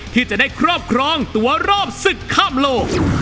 ที่จะได้ครอบครองตัวรอบศึกข้ามโลก